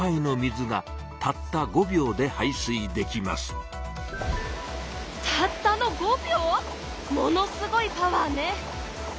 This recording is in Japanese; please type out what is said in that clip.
なんとたったの５秒⁉ものすごいパワーね！